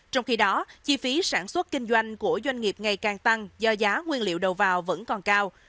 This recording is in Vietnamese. trong khi đó chi phí sản xuất kinh doanh của doanh nghiệp ngày càng tăng do giá nguyên liệu đầu vào vẫn còn cao